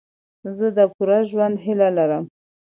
زه د پوره ژوند هیله لرم.